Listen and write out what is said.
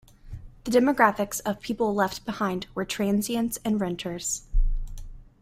The demographics of people left behind were transients and renters.